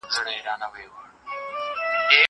زه بايد سبزېجات تيار کړم!!